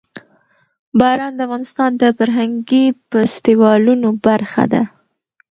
باران د افغانستان د فرهنګي فستیوالونو برخه ده.